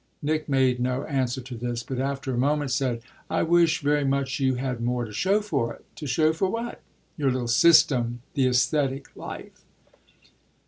'" Nick made no answer to this, but after a moment said: "I wish very much you had more to show for it." "To show for what?" "Your little system the æsthetic life."